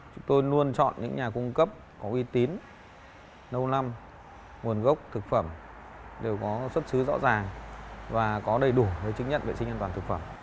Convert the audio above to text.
chúng tôi luôn chọn những nhà cung cấp có uy tín lâu năm nguồn gốc thực phẩm đều có xuất xứ rõ ràng và có đầy đủ chứng nhận vệ sinh an toàn thực phẩm